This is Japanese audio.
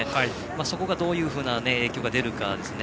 そこで、どういうふうな影響が出るかですね。